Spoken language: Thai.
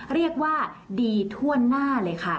เรียกว่าดีทั่วหน้าเลยค่ะ